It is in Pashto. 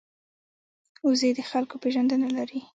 وزې د خلکو پېژندنه لري